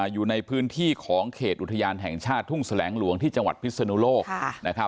อยู่ในพื้นที่ของเขตอุทยานแห่งชาติทุ่งแสลงหลวงที่จังหวัดพิศนุโลก